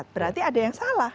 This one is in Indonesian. berarti ada yang salah